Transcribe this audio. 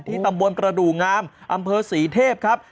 ตำบลประดูกงามอำเภอศรีเทพครับ